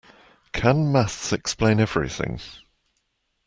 Can maths explain everything?